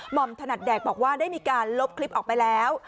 อมถนัดแดกบอกว่าได้มีการลบคลิปออกไปแล้ว